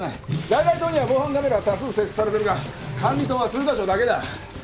外来棟には防犯カメラが多数設置されてるが管理棟は数カ所だけだ。